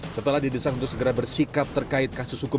setelah didesak untuk segera bersikap terkait kasus hukum